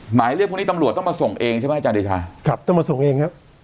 หมายเรียกพวกนี้ตำรวจต้องมาส่งเองใช่ไหมอาจารย์เดชาครับตำรวจส่งเองครับ